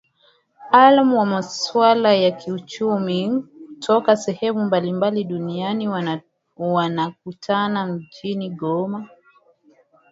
alam wa maswala ya kiuchumi kutoka sehemu mbalimbali duniani wanakutana mjini goma